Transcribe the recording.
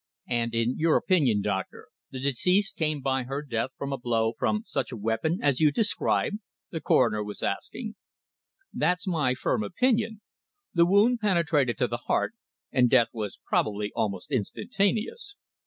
"And in your opinion, doctor, the deceased came by her death from a blow from such a weapon as you describe?" the coroner was asking. "That is my firm opinion. The wound penetrated to the heart, and death was probably almost instantaneous."